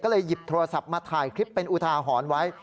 ก็เลยหยิบโทรศัพท์มาถ่ายคลิปเป็นอุทาหรณ์ไว้